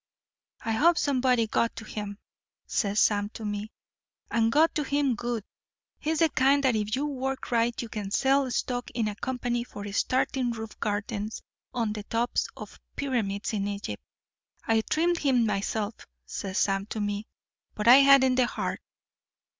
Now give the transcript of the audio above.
'I hope somebody got to him,' says Sam to me, 'and got to him good. He's the kind that if you work right you can sell stock in a company for starting roof gardens on the tops of the pyramids in Egypt. I'd trimmed him myself,' says Sam to me, 'but I hadn't the heart.'"